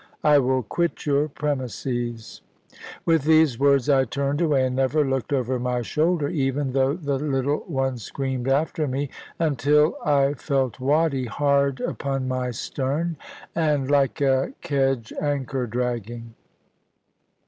I will quit your premises." With these words I turned away, and never looked over my shoulder even, though the little one screamed after me; until I felt Watty hard under my stern, and like a kedge anchor dragging.